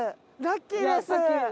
ラッキーです。